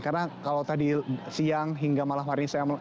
karena kalau tadi siang hingga malam hari ini